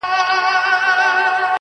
په جرگه كي سوه خندا د موږكانو؛